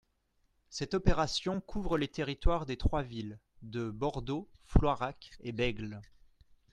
Cette opération couvre les territoires des trois villes de Bordeaux, Floirac et Bègles...